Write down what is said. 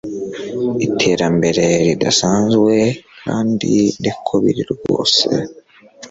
Iterambere ridasanzwe kandi niko biri rwose